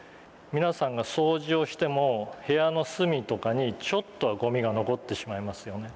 皆さんが掃除をしても部屋の隅とかにちょっとはゴミが残ってしまいますよね。